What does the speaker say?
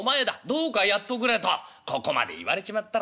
どうかやっとくれ』とここまで言われちまったらねえ。